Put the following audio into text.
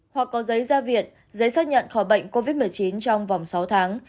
hoặc có giấy ra viện giấy xác nhận khỏi bệnh covid một mươi chín trong vòng sáu tháng